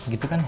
gitu kan ya